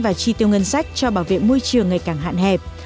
và chi tiêu ngân sách cho bảo vệ môi trường ngày càng hạn hẹp